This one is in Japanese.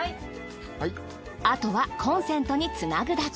あとはコンセントにつなぐだけ。